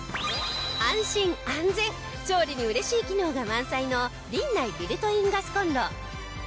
安心安全調理に嬉しい機能が満載のリンナイビルトインガスコンロ。